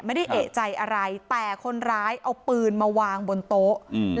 ไม่ได้เอกใจอะไรแต่คนร้ายเอาปืนมาวางบนโต๊ะอืม